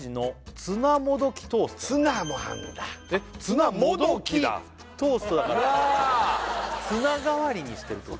ツナもどきだツナもどきトーストだからツナ代わりにしてるってこと？